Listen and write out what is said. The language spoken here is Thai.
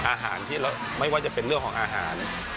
อาหารที่ไม่ว่าจะเป็นเรื่องของอาหาร